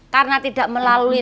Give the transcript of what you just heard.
karena tidak melalui